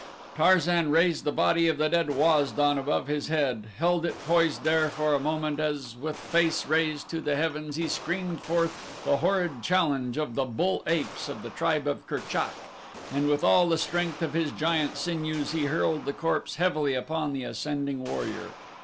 Tarzan raised the body of the dead Waz don above his head, held it poised there for a moment as with face raised to the heavens he screamed forth the horrid challenge of the bull apes of the tribe of Kerchak, and with all the strength of his giant sinews he hurled the corpse heavily upon the ascending warrior.